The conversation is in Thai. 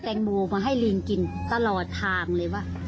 แตงโมมาให้ลิงกินตลอดทางเลยว่า